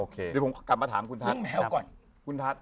เดี๋ยวผมกลับมาถามคุณทัศน์